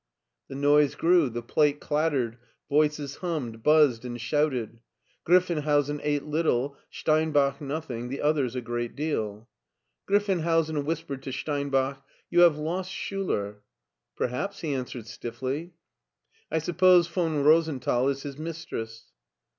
The noise grew, the plate clattered, voices hummed, buzzed, and shouted. Griff enhousen ate little, Stein bach nothing, the others a great deal. Griffenhousen whispered to Steinbach: " You have lost Schuler." '* Perhiaps," he answered stiffly. " I suppose von Rosenthal is his mistress."